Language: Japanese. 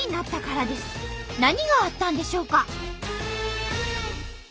何があったんでしょうか？